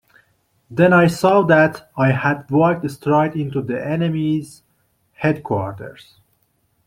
Then I saw that I had walked straight into the enemy’s headquarters.